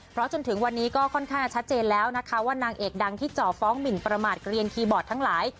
เพราะจนถึงวันนี้ก็ค่อนข้างชัดเจนแล้วนะคะว่านางเอกดังที่จ่อฟ้องหมินประมาทเกลียนคีย์บอร์ดทั้งหลาย